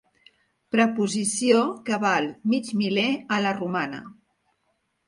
Preposició que val mig miler a la romana.